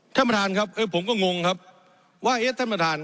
ท่านประธานครับเออผมก็งงครับว่าเอ๊ะท่านประธาน